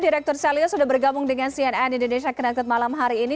direktur salius sudah bergabung dengan cnn indonesia kedengar ket malam hari ini